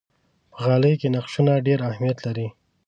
په غالۍ کې نقشونه ډېر اهمیت لري.